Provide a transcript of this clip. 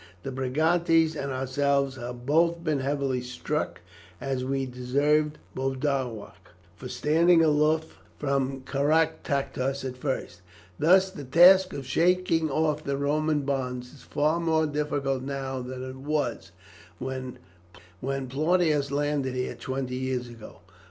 The Brigantes and ourselves have both been heavily struck, as we deserved, Boduoc, for standing aloof from Caractacus at first. Thus the task of shaking off the Roman bonds is far more difficult now than it was when Plautius landed here twenty years ago.